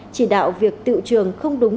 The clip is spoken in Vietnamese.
chỉ đạo việc tự trường không đúng